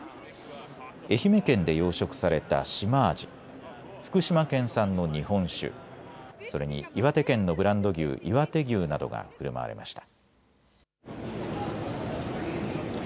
愛媛県で養殖されたシマアジ、福島県産の日本酒、それに岩手県のブランド牛、いわて牛などがふるまわれました。